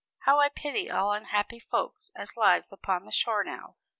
How I pity all unhappy folks as lives upon the shore now!